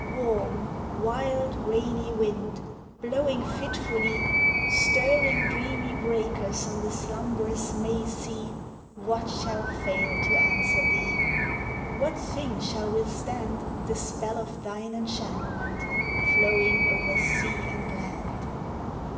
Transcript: Warm, wild, rainy wind, blowing fitfully, Stirring dreamy breakers on the slumberous May sea, What shall fail to answer thee? What thing shall withstand The spell of thine enchantment, flowing over sea and land?